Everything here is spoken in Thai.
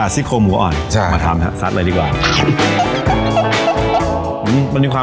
ซิกโคหมูอ่อนใช่มาทำฮะซัดเลยดีกว่า